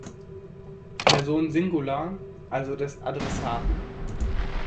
Person Singular, also des Adressaten.